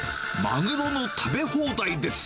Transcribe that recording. マグロの食べ放題です。